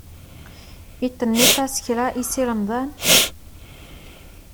I tinid-as kra i Si Remḍan?